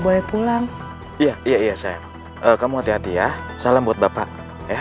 boleh pulang iya iya saya kamu hati hati ya salam buat bapak ya